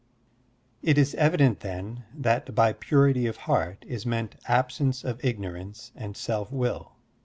It is evident, then, that by purity of heart is meant absence of ignorance and self will.